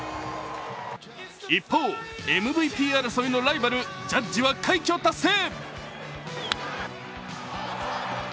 一方、ＭＶＰ争いのライバル、ジャッジは快挙達成。